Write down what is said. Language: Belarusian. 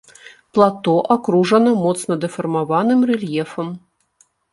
Плато акружана моцна дэфармаваным рэльефам.